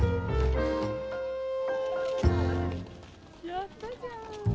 やったじゃん。